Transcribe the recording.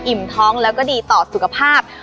ท้องแล้วก็ดีต่อสุขภาพ